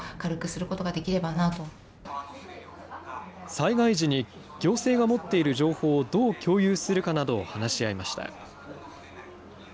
災害時に行政が持っている情報をどう共有するかなどを話し合いました。